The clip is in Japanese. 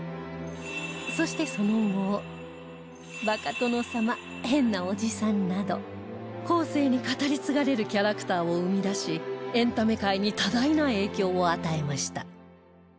そしてその後バカ殿様変なおじさんなど後世に語り継がれるキャラクターを生み出しエンタメ界に多大な影響を与えました